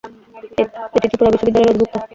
এটি ত্রিপুরা বিশ্ববিদ্যালয়ের অধিভুক্ত।